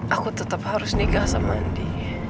aku tetap harus nikah sama andi